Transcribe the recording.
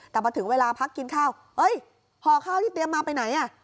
แต่พอถึงเวลาพักกินข้าวเอ้ยห่อข้าวที่เตรียมมาไปไหนอ่ะ